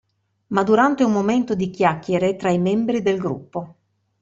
Ma durante un momento di chiacchiere tra i membri del gruppo.